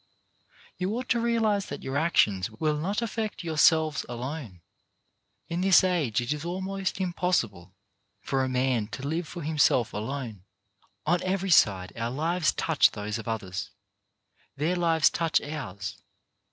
You ought to realize that your actions will not affect yourselves alone. In this age it is almost impossible for a man to live for himself alone. On every side our lives touch those of others; their lives touch ours.